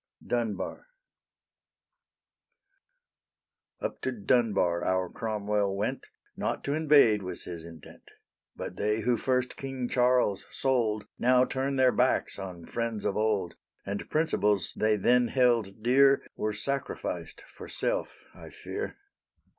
DUNBAR Up to Dunbar our Cromwell went, Not to invade was his intent; But they who first King Charles sold Now turn their backs on friends of old, And principles they then held dear Were sacrificed for self, I fear.